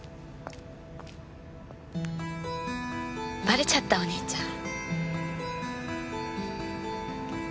ばれちゃったお兄ちゃん。